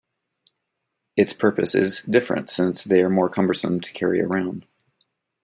Its purpose is different since they are more cumbersome to carry around.